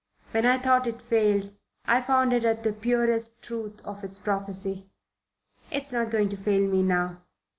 When I thought it failed, I found it at the purest truth of its prophecy. It's not going to fail me now.